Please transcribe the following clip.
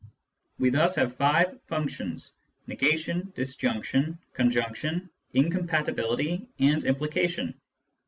We have thus five functions : negation, disjunction, conjunction,' incompatibility, and implication.